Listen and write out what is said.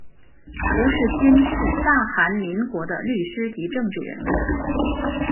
吴世勋是大韩民国的律师及政治人物。